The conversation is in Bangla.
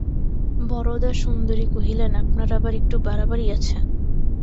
বরদাসুন্দরী কহিলেন, আপনার আবার একটু বাড়াবাড়ি আছে।